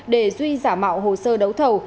để duy giả mạo hồ sơ đấu thầu